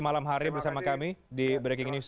malam hari bersama kami di breaking news